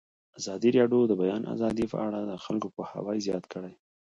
ازادي راډیو د د بیان آزادي په اړه د خلکو پوهاوی زیات کړی.